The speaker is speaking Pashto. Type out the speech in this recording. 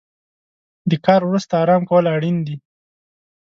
د کار وروسته ارام کول اړین دي.